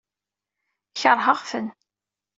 Keṛheɣ-ten.